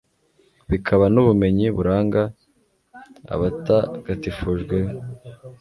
bikaba n'ubumenyi buranga abatagatifujwe be